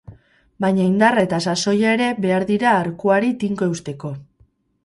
Baina indarra eta sasoia ere behar dira arkuari tinko eusteko.